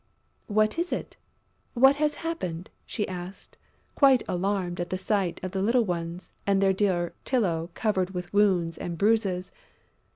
"What is it?... What has happened?" she asked, quite alarmed at the sight of the little ones and their dear Tylô covered with wounds and bruises.